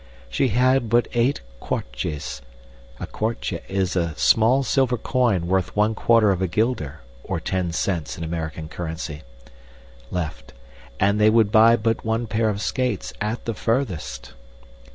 She had but eight kwartjes *{A kwartje is a small silver coin worth one quarter of a guilder, or ten cents in American currency.} left, and they would buy but one pair of skates, at the furthest.